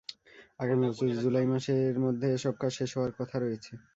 আগামী বছরের জুলাই মাসের মধ্যে এসব কাজ শেষ হওয়ার কথা রয়েছে।